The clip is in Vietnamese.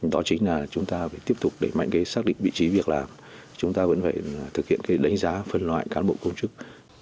đó chính là chúng ta phải tiếp tục đẩy mạnh cái xác định vị trí việc làm chúng ta vẫn phải thực hiện cái đánh giá phân loại cán bộ công chức